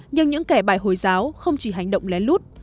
nhưng những kẻ bài hồi giáo không chỉ hành động lén lút